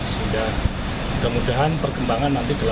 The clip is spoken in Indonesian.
sehingga mudah mudahan perkembangan nanti